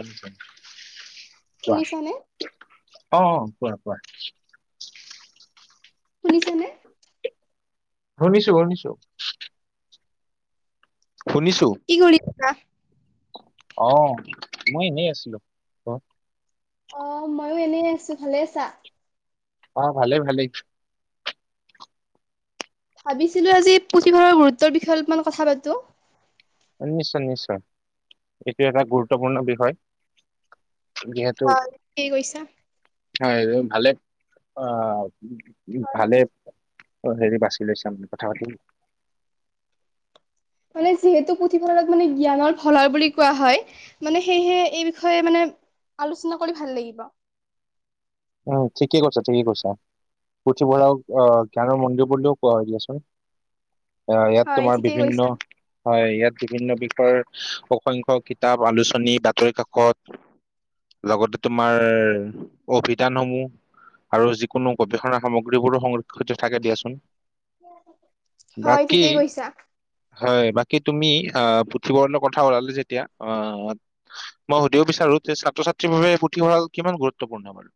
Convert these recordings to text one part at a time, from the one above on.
উম, কোৱা শুনিছানে অ' অ, কোৱা। কোৱা? শুনিচা নে? শুনিছোঁ-শুনিছোঁ। কি কৰি আছা? অ, মই এনেই আছিলো কত অ, ময়ো এনেই আছো ভালে আছা। অ, ভালেই-ভালেই। ভাবিছিলো আজি পুথিভঁৰালৰ গুৰুত্বৰ বিষয়ে অলপমান কথা পাতো। নিশ্চয়-নিশ্চয় এইটোয় এটা গুৰুত্বপূৰ্ণ বিষয়। যিহেতু অ, কি কৰিছা? হয় ভালে অ' হয় ভালে অ' হেৰি বাচি লৈছা মানে কথা পাতিল মানে যিহেতু পুথিভঁৰালক মানে জ্ঞানৰ ভঁৰাল বুলি কোৱা হয় মানে সেয়েহে এই বিষয়ে মানে আলোচনা কৰি ভাল লাগিব। উম, ঠিকেই কৈছা ঠিকেই কৈছা। পুথিভঁৰাও আহ জ্ঞানৰ মন্দিৰ বুলিও কোৱা হৈ দিয়াচোন। এ ইয়াত হয় তোমাৰ ঠিকেই বিভিন্ন কৈছা হয় ইয়াত বিভিন্ন বিষয়ৰ অসংখ্যয়ক কিতাপ আলোচনী বাতৰি কাকত লগতে তোমাৰ অভি উদ্যানসমূহ আৰু যিকোনো গৱেষণা সামগ্ৰীবোৰো সংৰক্ষিত থাকে দিয়াচোন। হয় বাকী ঠিকেই কৈছা। হয় বাকী তুমি অ, পুথিভৰাললৈ কথা ওলালে যেতিয়া অ, মই সুধিব বিচাৰো ছাত্ৰ-ছাত্ৰী বাবে পুথিভৰাল কিমান গুৰুত্বপূৰ্ণ বাৰু।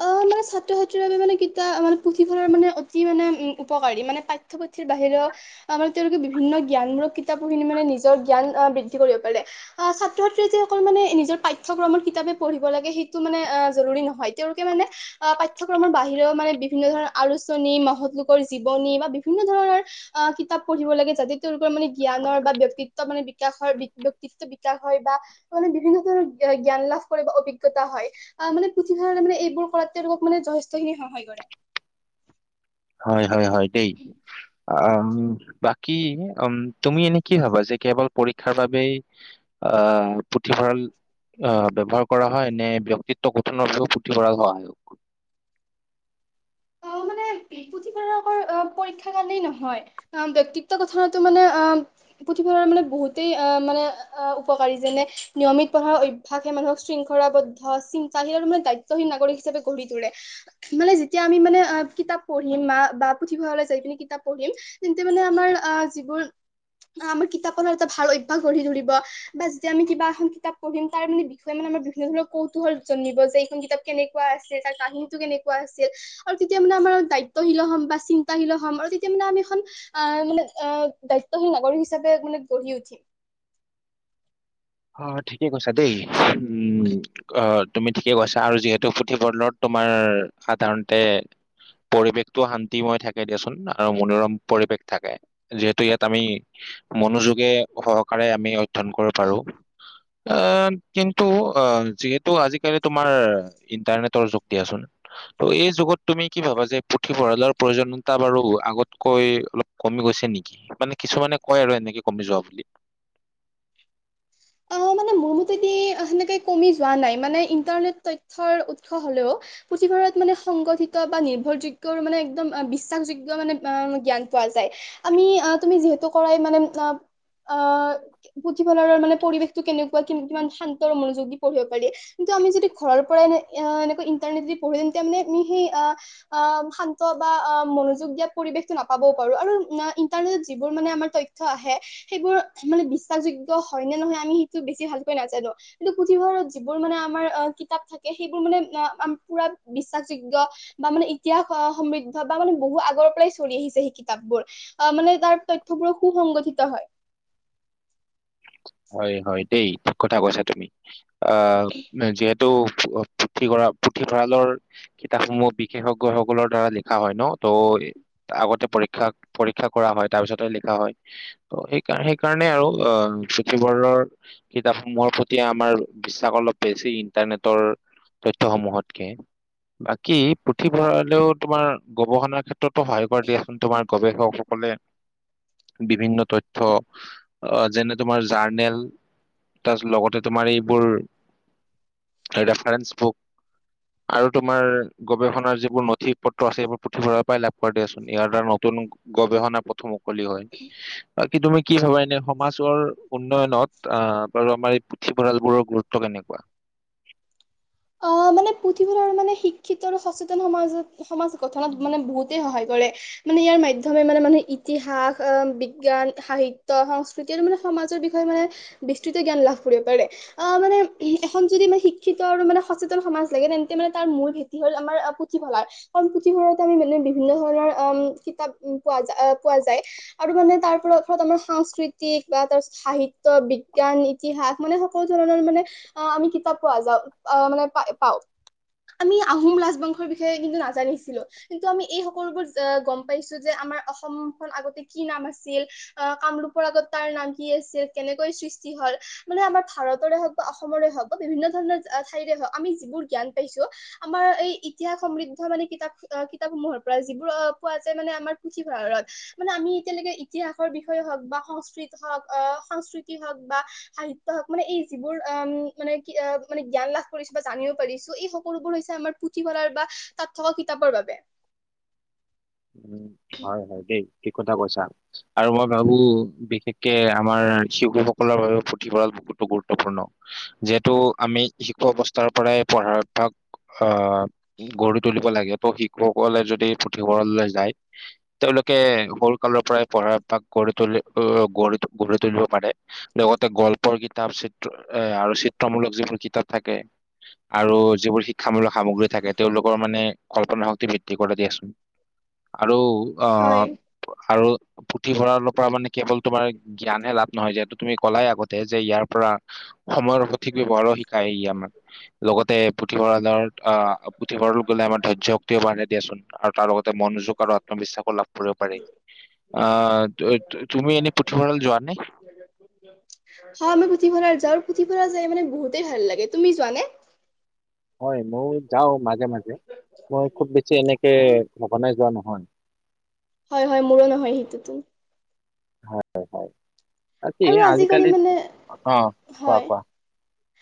[unintelligible] মানে ছাত্ৰ ছাত্ৰীৰ বাবে মানে কিতাপ মে পুথিভঁৰাৰ মানে অতি মানে উ উপকাৰী মানে পাঠ্যপুথিৰ বাহিৰেও আৰু তেওঁলোকে বিভিন্ন জ্ঞান প্ৰ কিতাপ খিনি মানে নিজৰ জ্ঞান বৃদ্ধি কৰিব পাৰে আহ ছাত্ৰ ছাত্ৰীয়ে যিসকল মানে নিজৰ পাঠ্যক্ৰমৰ কিতাপ। [unintelligible] পঢ়িব লাগে সেইটো মানে অ, জৰুৰী নহয়। তেওঁলোকে মানে অ, পাঠ্যক্ৰমৰ বাহিৰেও মানে বিভিন্ন ধৰণৰ আলোচনী মহৎলোকৰ জীৱনী বা বিভিন্ন বিভি ধৰণৰ অ, কিতাপ পঢ়িব লাগে যাতে তেওঁলোকৰ মানে জ্ঞানৰ বা ব্যক্তিত্ব মানে বিকাশ হয় ব্যক্তিত বিকাশ হয় বা মানে বিভিন্ন ধৰণৰ জ্ঞান লাভ কৰে বা অভিজ্ঞতা হয় আহ মানে পুথি মানে এইবোৰ কৰা তেওঁলোক মানে যথেষ্ট খিনি সহায় কৰে। হয়-হয়-হয় দেই। উ বাকী উ তুমি এনে কি ভাবা যে কেৱল পৰীক্ষাৰ বাবেই। আহ, পুথিভঁৰাল আহ, ব্যৱহাৰ কৰা হয় নে ব্যয়ক্তিত্ব গঠনৰ বাবেও পুথিভৰা হোৱা হয়। অ' মানে পুথিভঁৰা পৰক্ষােই নহয় ব্যক্তিত্ব গঠনো মানে পুথিভৰাল [unintelligible] বহুতেই অ, মানে অ, উপকাৰী যেনে নিয়মিত পঢ়াৰ অভ্যাসে মানুহক শৃংখলাবদ্ধ চিন্তাৰ মানে দায়িত্বী নাগৰিক হিচাপে গঢ়ি তোলে মানে যেতিয়া আমি মানে কিতাপ পঢ়িম বা পুথিভঁৰালৈ যাই পি কিতাপ পঢ়িম তেন্তে মানে আমাৰ আহ যিবোৰ। অ, আমাৰ কিতাপৰ এটা ভাল অভ্যাস গঢ়ি তৰিব বা যেতিয়া আমি কিবা এখন কিতাপ পঢ়িম তাৰ মানে বিষয়ে মানে আমাৰ বিভিন্ন ধৰণৰ কৌতুহল জানিব যে এইখন কিতাপ কেনেকুৱা আছিল তাৰ কাহিনীটো কেনেকুৱা আছিল। আৰু তেতিয়া মানে আমাৰ দায়িত্বশীল হ'ম বা চিন্তাশীল হ'ম আৰু তেতিয়া মানে আমি এখন আহ মানে। সহী নাগৰিক হিচাপে মানে গঢ়ি উঠি। অ, ঠিকে কৈছা দেই উম, অ', তুমি ঠিকেই কৈছা আৰু যিহেতু পুথিভঁলৰত তোমাৰ সাধাৰণতে পৰিৱেশটো শান্তিময় থাকে দিয়াচোন আৰু মনোৰম পৰিৱেশ থাকে যিহেতু ইয়াত আমি মনোযোগে সহকাৰে আমি অধ্যয়ন কৰিব পাৰো। এ কিন্তু অ যিহেতু আজিকালি তোমাৰ ইণ্টাৰনেটৰ যুগ দিয়াচোন,। ত' এই যুগত তুমি কি ভাবা যে পুথিভঁৰালৰ প্ৰয়োজনীয়তা বাৰু আগতকৈ অলপ কমি গৈছে নেকি মানে কিছুমানে কয় আৰু এনেকে কমি যোৱা বুলি অহ মানে মোৰ মতে দি সেনেকে কমি যোৱা নাই মানে ইন্টাৰনেট তথ্যৰ উৎস হ'লেও পুথিভঁৰাত মানে সংঘটিত বা নিৰ্ভৰযোগ্যৰ মানে একদম বিশ্বাসযোগ্য মানে [unintelligible] জ্ঞান পোৱা যায় আমি আহ তুমি যিহেতু কৰাই মানে অ' পুথিভঁৰাল মানে পৰিৱেশ টো কেনেকুৱা কি কিমান শান্তৰ মনোযোগ দি পঢ়িব পাৰি কিন্তু আমি যদি ঘৰৰ পৰাই এ এনেকোৱা পঢ়ি তাৰমানে সেই শান্ত বা মনোযোগ দিয়া পৰিৱেশ নাপাবও পাৰ। আৰু ইণ্টাৰনেটত যিবোৰ মানে তথ্য আহে সেইবোৰ মানে বিশ্বাস যোগ্য হয়নে নহয়? আমি সেইটো বেছি ভালকৈ নাজানো কিন্তু পুথিভঁৰাৰত যিবোৰ মানে আমাৰ অ কিতাপ থাকে সেইবোৰ মানে। পুৰা বিশ্বাসযোগ্য বা মানে ইতিহাস সমৃদ্ধ বা মানে বহু আগৰ পৰাই চলি আহিছে সেই কিতাপ আহ মানে তাৰ তথ্যবোৰো সুসংগঠিত হয় হয় হয় দেই কথা কৈছা তুমি আহ যিহেতু পুথিভৰাল পুথিভঁৰালৰ কিতাপসমূহ বিশেষজ্ঞসকলৰ দ্বাৰা লিখা হয় ন ত' আগতে পৰীক্ষা পৰীক্ষা কৰা হয় তাৰ পিছতে লিখা হয় ত সেইকাৰ সেইকাৰণে আৰু। অ' সেইবোৰৰ কিতাপসমূহৰ প্ৰতি আমাৰ বিশ্বাস অলপ বেছি ইণ্টাৰনেটৰ। তথ্য সমূহতকে বাকী হয় পুথিভঁৰালেও তোমাৰ গৱেষণাৰ ক্ষেত্ৰতো সহায় কৰে দিয়াচোন তোমাৰ গৱেষকসকলে বিভিন্ন তথ্য আহ যেনে তোমাৰ জাৰ্নেল তাৰ লগতে তোমাৰ এইবোৰ ৰেফাৰন্স বুক আৰু তোমাৰ গৱেষণাৰ যিবোৰ নথি-পত্ৰ আছে সেইবোৰ পুথিভঁৰালৰ পাই লাভ কৰা দিয়াচোন ইয়াৰ দ্বাৰা নতুন গৱেষণা পথো মুকলি হয় বাকী তুমি কি ভাবা এনে সমাজৰ উন্নয়নত অহ বাৰু আমাৰ এই পুথিভঁৰাল বোৰৰ গুৰুত্ব কেনেকুৱা। অ, মানে পুথিভৰাল মানে শিক্ষিত আৰু সচেতন সমাজত সমাজ গঠনত মানে বহুতে সহায় কৰে। মানে ইয়াৰ মাধ্যম মানে-মানে ইতিহাস বিজ্ঞান সংস্কৃতি আৰু মানে, সমাজৰ বিষয়ে মানে বিস্তৃত জ্ঞান লাভ কৰিব পাৰে আহ মানে এখন যদি মান শিক্ষিত আৰু মানে। সচেতন সমাজ লাগে তেন্তে মানে তাৰ মূল ভেটি হল আমাৰ পুথিভঁৰাল আমি মানে বিভিন্ন ধৰণৰ অল কিতাপ পোৱা যায় আৰু মানে তাৰ পৰা আমাৰ সাংস্কৃতিক বা সাহিত্যয় বিজ্ঞান ইতিহাস মানে সকলো ধৰণৰ মানে আহ আমি কিতাপ পোৱা যাও। অ' মানে প পাও আমি আহোম ৰাজাজবংশৰ বিষয়ে কিন্তু নাজানিছিলো কিন্তু আমি এই সকলোবোৰ গম পাইছো যে আমাৰ অসমখন আগতে কি নাম আছিল কামৰূপৰ আগত তাৰ নাম কি আছিল কেনেকৈ সৃষ্টি হয় মানে আমাৰ ভাৰতৰে হওক বা অসমৰে হওক বা বিভিন্ন ধৰণৰ আমি যিবোৰ জ্ঞান পাইছো আমাৰ এই ইতিহ সমৃদ্ধ মানে কিতাপ কিতাপসমূহৰ যিবোৰ অ 'পোৱা যায় মানে আমাৰ পুথিভঁৰত মানে আমি এতিয়ালৈকে ইতিহাসৰ বিষয়ে হওক বা সংস্কৃতি সংস্কৃতি হওক বা সাহিত্য হক মানে এই যিবোৰ উ মানে কি মানে জ্ঞান লাভ কৰিছো বা জানিব পাৰিছো এই সকলোবোৰ হৈছে আমাৰ পুথিভঁলাৰ বা তাত থকা কিতাপৰ বাবে। [inaudible] উম হয় হয় দেই ঠিক কথা কৈছা। আৰু মই ভাবো বিশেষকে আমাৰ শিশশুসকলৰ বাবে পুথিভঁৰাল বহুতো গুৰুত্বপূৰ্ণ। যিহেতু আমি শিশু অৱস্থাৰ পৰাই পঢ়াৰ অভ্যাস অ, গঢ়ি তুলিব লাগে ত শিশুসকলে যদি পুতি। ৰ যায় তেওঁলোকে সৰু কালৰ পৰাই পঢ়াপাক গঢ়ি তুলি গ তুলিব পাৰে লগতে গল্পৰ কিতাপ চিত্ৰ এ আৰু চিত্ৰমূলক যিবোৰ কিতাপ থাকে। আৰু যিবোৰ শিক্ষামূলক সামগ্ৰী থাকে তেওঁলোকৰ মানে কল্পনা শক্তি বৃদ্ধি কৰা দিয়াচোন। আৰু হয় অ' আৰু পুথিভঁৰাল পৰা মানে কেৱল তোমাৰ জ্ঞানে লাভ নহয় যিহেতু তুমি ক'লাই আগতে যে ইয়াৰ পৰা, সময়ৰ সঠিক ব্যৱহাৰো শিকায় ই আমাৰ লগতে পুথিভঁৰালৰ, আহ পুথিভঁৰাল গ'লে আমাৰ ধৈৰ্য্য শক্তিও বাঢ়ে দিয়াচোন। আৰু লগতে মনোযোগ আৰু আত্মবিশ্বাসো লাভ কৰিব পাৰি। যোৱা নে? হয় আমি পুথিভৰাল যৰ পুথিভঁৰাল যাই মানে বহুতেই ভাল লাগে তুমি যোৱানে। হয় মই যাও মাজে মাজে মই খুব বেছি এনেকে অ সঘনাই যোৱা নহয়। হয়। হয় হয় মোৰো নহয় সেইটোতো হয় -হয় আৰু আজিকালি মানে কোৱা হয় কোৱা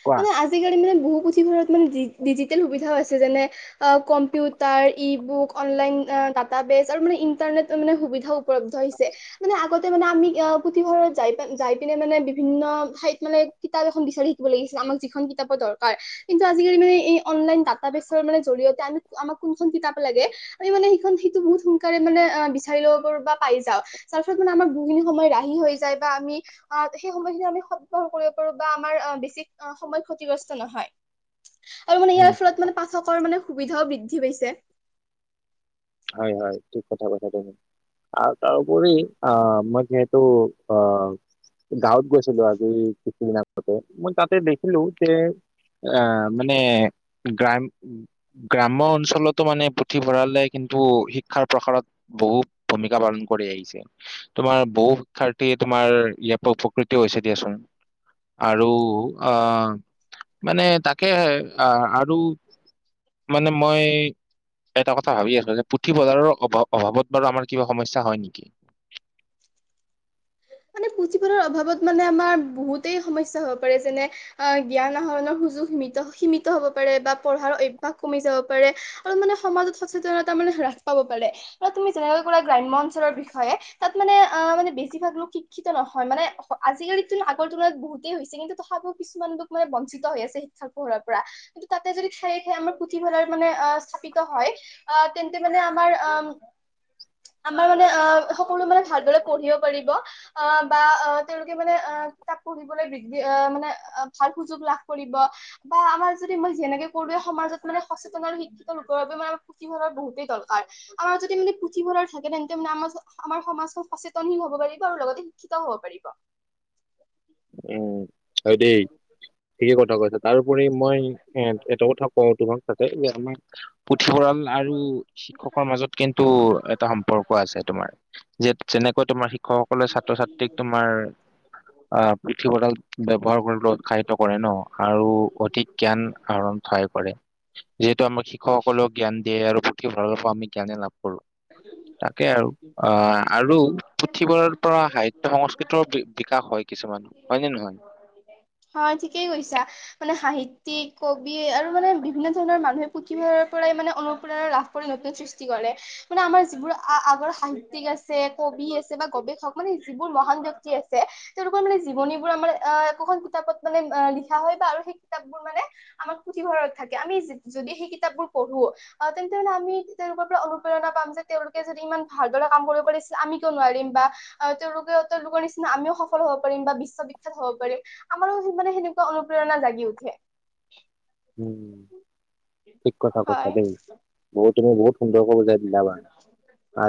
কোৱা মানে আজিকালি মানে বহু পুথিভৰালত মানে ডিজিটেল সুবিধাও আছে যেনে computer e book online data বেচ আৰু মানে ইণ্টাৰনেট মানে সুবিধা উপলব্ধ হৈছে মানে আগতে মানে আমি অ পুথিভঁৰাল। যাই যাই পিনে মানে বিভিন্ন ঠাইত মানে কিতাপ এখন বিচাৰি থাকিব লাগিছিলে আমাক যিখন কিতাপৰ দৰকাৰ কিন্তু আজিকালি মানে এই অনলাইন ডাটা বেচৰ মানে জৰিয়তে আমি আমাক কোনখন কিতাপ লাগে আমি মানে সেইখন সেইটো বহুত সোনকাল মানে বিচাৰি ল'ব বা পাই যাওঁ তাৰ পিছত মানে আমাৰ বহুখিনি সময় ৰাহি হৈ যায় বা আমি সেই সময়খিনি আমি সৎ ব্যৱহাৰ কৰিব পাৰো বা আমাৰ বেছি সময় ক্ষতিগ্ৰস্ত নহয়। আৰু মানে ইয়াৰ উম ফলত মানে পাঠকৰ মানে সুবিধাও বৃদ্ধি পাইছে। হয় হয় ঠিক কথা কথা তুমি। আৰু তাৰপৰি আ মই যিহেতো গাঁৱত গৈছিলো আজি কিছুদিন আগতে মই তাতে দেখিলো যে। আহ মানে গ্ৰাম গ্ৰাম্য অঞ্চলতো মানে পুথিভঁৰালে কিন্তু শিক্ষাৰ প্ৰসাৰত বহু ভূমিকা পালন কৰি আহিছে তোমাৰ বহু শিক্ষাৰ্থী তোমাৰ ইয়াৰ পৰা উপকৃত হৈছে দিয়াচোন আৰু আহ। মানে তাকে আহ আৰু মানে মই এটা কথা ভাবি আছছিলো যে পুথিভৰালৰ অভাৱ অভাৱত বাৰু আমাৰ কিবা সমস্যা হয় নেকি। [unintelligible] মানে পুথিভৰালৰ অভাৱত মানে আমাৰ বহুতেই সমস্যা হ'ব পাৰে যেনে অ জ্ঞান আহৰণৰ সীমিত হব পাৰে বা পঢ়াৰ অভ্যাস কমি যাব পাৰে আৰু মানে সমাজত সচেতনতা মানে হ্ৰাস পাব পাৰে তুমি যেনেকৈ কা গ্ৰাম্য অঞ্চলৰ বিষয়ে তাত মানে অ মানে বেছিভাগ লোক শ শিক্ষিত নহয় মানে আজিকালিত আগৰ তুলনাত বহুতেই হৈছে কিন্তু তথাপিও কিছুমান লোক মানে বঞ্চিত হৈ আছে। [unintelligible] পৰা কিন্তু তাতে যদি খায়ে খাই আমাৰ পুথিভঁৰাল মানে স্থাপিত হয় তেন্তে ম আমাৰ অ আমাৰ মানে অ সকলো মানে ভালদৰে পঢ়িব পাৰিব। অ বা অ তেওঁলোকে মানে অ কিতাপ পঢ়িবলৈ মানে ভাল সুযোগ লাভ কৰিব। বা আমাৰ যদি মই যেনেকে কৰোৱৱে সমাজত মানে সচেতন আৰু শিক্ষিত লোকৰ বাবে মানে সুখী ভৰা বহুতেই। আমাৰ যদি মানে পুথিভৰাল থাকে তেন্তে মানে আমাৰ আমাৰ সমাজ সচেতনহীন হ'ব পাৰিব আৰু লগতে শিক্ষিত হব পাৰিব উম আৰু দেই ঠিকেই কথা তাৰোপৰি মই এ এটা কথা কওঁ তোমাক তাতে যে আমাক পুথিভঁৰাল আৰু শিক্ষকৰ মাজত কিন্তু এটা সম্পৰ্ক আছে তোমাৰ যেনেকৈ তোমাৰ শিক্ষকসকলে ছাত্ৰ ছাত্ৰীক তোমাৰ অ 'পৃথিভঁৰাল ব্যৱহাৰ কৰি উৎসাহিত কৰে ন আৰু অধিক জ্ঞান আহৰণ থ যিহেতু আমাৰ শিক্ষকসকলেও জ্ঞান দিয়ে আৰু পুথিভঁৰালৰ পৰা আমি জ্ঞানে লাভ কৰো [unintelligible] তাকে আৰু অ আৰু পুথিভঁৰালৰ পৰা সাহিত্য সংস্কৃতিৰ বিকাশ হয়। কিছুমান হয়নে নহয় হয় ঠিকেই কৈছা মানে সাহিত্য। কবি আৰু মানে বিভিন্ন ধৰণৰ মানুহে পুথিভৰালৰ পৰাই মানে অনুপ্ৰেৰনা লাভ কৰি নতুন সৃষ্টি কৰে। মানে মানে আমাৰ যিবোৰ আ আগৰ সাহিত্যিক আছে কবি আছে বা গৱেষক মানে যিবোৰ মহান ব্যক্তি আছে। তেওঁলোকৰ মানে জীৱনীবোৰ আমাৰ অ একোখন কিতাপত মানে লিখা হয় বা আৰু সেই কিতাপ বোৰ মানে আমাৰ পুথিভঁৰাল থাকে আমি যদি সেই কিতাপবোৰ পঢ়ো আহ তেন্তে হলে আমি তেওঁলোকৰ পৰা অনুপ্ৰেৰণা পাম যে তেওঁলোকে যদি ইমান ভালদৰে কাম কৰিব পাৰিছিল আমি কিয় নোৱাৰিম বা তেওঁলোকে তেওঁলোকৰ নিচিনা আমি। সফল হ'ব পাৰিম বা বিশ্ববিখ্যাত হব পাৰিম আমাৰো মানে সেনেকুৱা অনুপ্ৰেৰণা জাগি উঠে [inaudible] উম ঠিক কথা কছা হয় দেই বহুত তুমি বহুত সুন্দৰকৈ বুজাই দিলা বান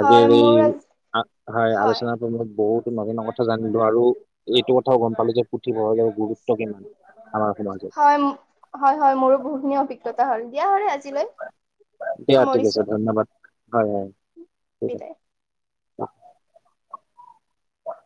হয় মোৰ আজি হয় আলোচনাৰ পৰা মই বহুতো নজনা কথা জানিলো আৰু এইটো কথাও গম পালো যে পুথিভঁৰালৰ গুৰুত্ব কিমান আমাৰ সমাজত হয় হয় হয় মোৰো বহুতখিনিয় অভিজ্ঞতা হ'ল দিয়া হ আজিলৈ দিয়া ঠিক সামৰিছো। আছে ধন্যবাদ হয় হয় ঠিক বিদায় আছে